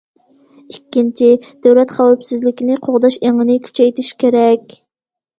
ئىككىنچى، دۆلەت خەۋپسىزلىكىنى قوغداش ئېڭىنى كۈچەيتىش كېرەك.